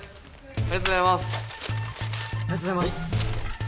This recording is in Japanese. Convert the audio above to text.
ありがとうございます。